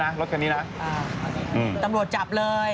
ตำรวจจับเลย